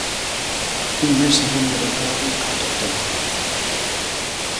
Un mes abondo variado en canto ao tempo.